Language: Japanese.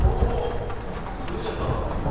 崩れちゃった。